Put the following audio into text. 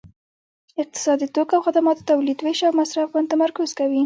اقتصاد د توکو او خدماتو تولید ویش او مصرف باندې تمرکز کوي